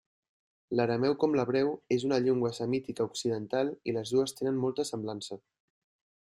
L'arameu, com l'hebreu, és una llengua semítica occidental i les dues tenen molta semblança.